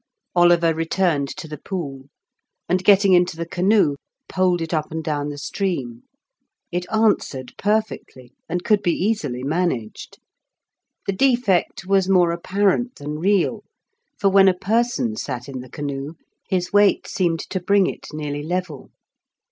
Oliver returned to the pool, and getting into the canoe, poled it up and down the stream. It answered perfectly, and could be easily managed; the defect was more apparent than real, for when a person sat in the canoe, his weight seemed to bring it nearly level.